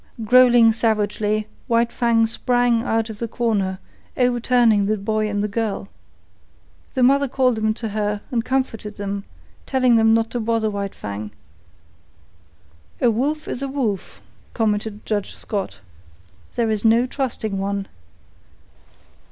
Growling savagely, White Fang sprang out of the corner, overturning the boy and the girl. The mother called them to her and comforted them, telling them not to bother White Fang. "A wolf is a wolf!" commented Judge Scott. "There is no trusting one."